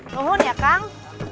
lohon ya kang